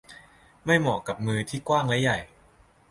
ไม่เหมาะกับมือที่กว้างและใหญ่